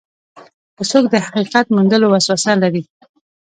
که څوک د حقیقت موندلو وسوسه لري.